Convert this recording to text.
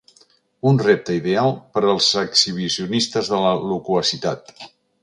Un repte ideal per als exhibicionistes de la loquacitat.